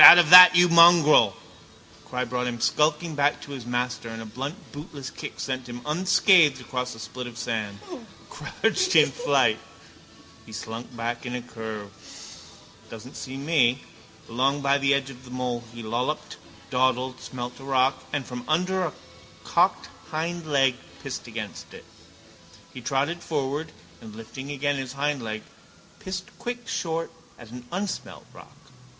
Out of that, you mongrel! The cry brought him skulking back to his master and a blunt bootless kick sent him unscathed across a spit of sand, crouched in flight. He slunk back in a curve. Doesn't see me. Along by the edge of the mole he lolloped, dawdled, smelt a rock and from under a cocked hindleg pissed against it. He trotted forward and, lifting again his hindleg, pissed quick short at an unsmelt rock.